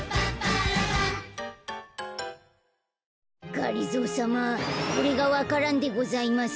がりぞーさまこれがわか蘭でございます。